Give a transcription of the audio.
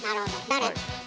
誰？